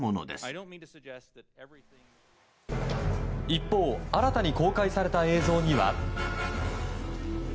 一方新たに公開された映像には。